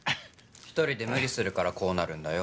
１人で無理するからこうなるんだよ。